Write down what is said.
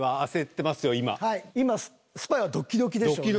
はい今スパイはドッキドキでしょうね。